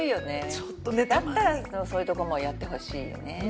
ちょっとねたまにだったらそういうとこもやってほしいよね